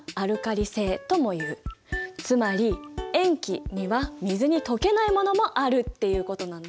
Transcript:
つまり塩基には水に溶けないものもあるっていうことなんだ。